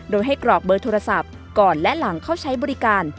โดยให้กรอกเบอร์โทรศัพท์ก่อนและหลังเข้าใช้บริการ